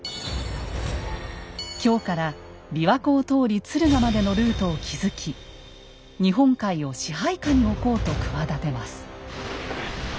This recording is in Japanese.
京から琵琶湖を通り敦賀までのルートを築き日本海を支配下に置こうと企てます。